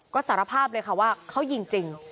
ก็สารภาพเลยค่ะว่าเขายิงจริง